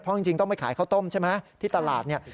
เพราะจริงต้องไปขายข้าวต้มใช่ไหมที่ตลาดเนี่ย